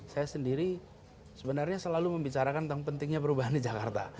saya sendiri sebenarnya selalu membicarakan tentang pentingnya perubahan di jakarta